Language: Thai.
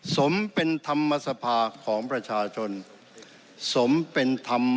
สมเป็นธรรมสภาของประชาชน